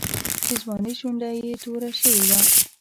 د ځوانۍ شونډه یې توره شوې وه.